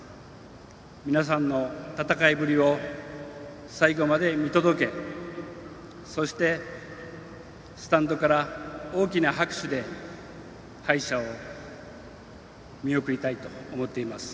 皆さんの戦いぶりを最後まで見届けそしてスタンドから大きな拍手で敗者を見送りたいと思っています。